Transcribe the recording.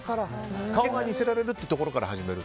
顔が似せられるというところから始める。